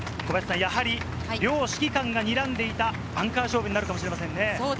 やはり両指揮官が睨んでいたアンカー勝負になるかもしれませんね。